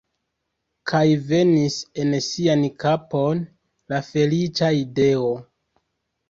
Kaj venis en sian kapon la feliĉa ideo.